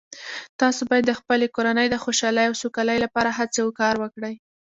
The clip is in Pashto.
تاسو باید د خپلې کورنۍ د خوشحالۍ او سوکالۍ لپاره هڅې او کار وکړئ